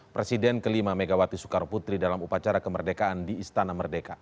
presiden ke lima megawati soekar putri dalam upacara kemerdekaan di istana merdeka